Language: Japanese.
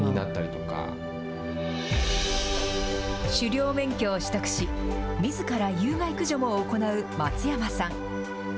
狩猟免許を取得し、みずから有害駆除も行う松山さん。